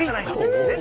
えっ。